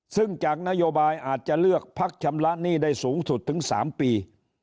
ซึ่งจากนโยบายอาจจะเลือกพักชำระหนี้ได้สูงสุดถึง๓ปี